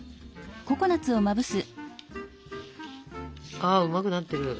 あうまくなってる。